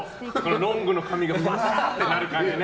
ロングの髪がわさーってなる感じね。